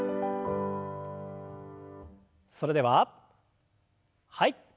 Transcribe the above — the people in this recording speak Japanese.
それでははい。